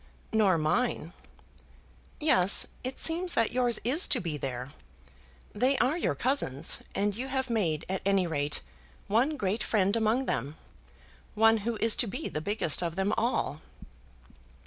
"Nor mine." "Yes; it seems that yours is to be there. They are your cousins, and you have made at any rate one great friend among them, one who is to be the biggest of them all."